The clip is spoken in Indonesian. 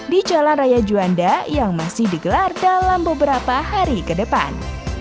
di jalan raya juanda yang masih digelar dalam beberapa hari ke depan